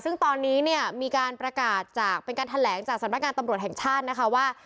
ซึ่งตอนนี้มีการประกาศเป็นการแถลงจากสัญลักษณ์การตำรวจแห่งชาตินะคะว่า